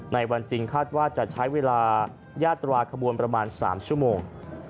ในวันจริงคาดว่าจะใช้เวลายาตราขบวนประมาณ๓ชั่วโมง